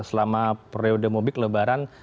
selama periode mubik lebaran